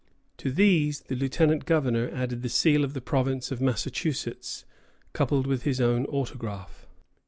To these the lieutenant governor added the seal of the province of Massachusetts, coupled with his own autograph.